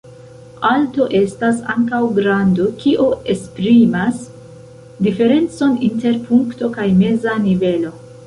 Alto estas ankaŭ grando, kio esprimas diferencon inter punkto kaj meza nivelo.